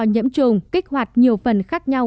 nhiễm trùng kích hoạt nhiều phần khác nhau